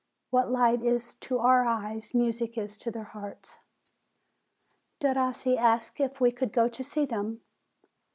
What light is to our eyes, music is to their hearts." Derossi asked if we could go to see them.